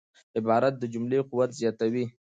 عبارت د جملې قوت زیاتوي.